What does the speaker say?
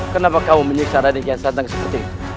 kenapa kamu menyiksa raden gansantang seperti itu